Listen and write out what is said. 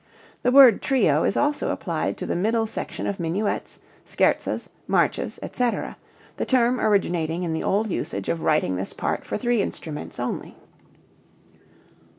The word trio is also applied to the middle section of minuets, scherzas, marches, etc., the term originating in the old usage of writing this part for three instruments only.